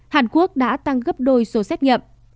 hàn quốc đã tăng gấp đôi số xét nghiệm